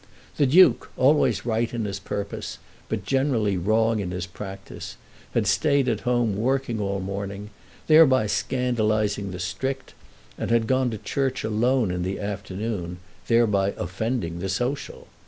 The Duke, always right in his purpose but generally wrong in his practice, had stayed at home working all the morning, thereby scandalising the strict, and had gone to church alone in the afternoon, thereby offending the social.